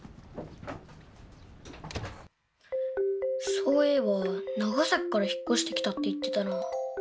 そういえば長崎から引っ越してきたって言ってたなあ。